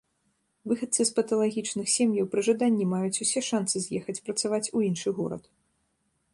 Выхадцы з паталагічных сем'яў пры жаданні маюць усе шанцы з'ехаць працаваць у іншы горад.